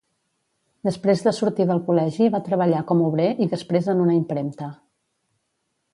Després de sortir del col·legi va treballar com obrer i després en una impremta.